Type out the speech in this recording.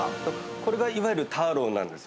これがいわゆるターローなんです。